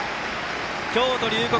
京都・龍谷